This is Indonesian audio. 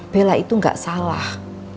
bella itu gak salah